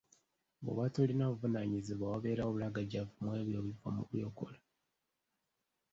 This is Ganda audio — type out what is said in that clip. Bw'oba tolina buvunaanyizibwa wabeerawo obulagajjavu mw'ebyo ebiva mu by'okola.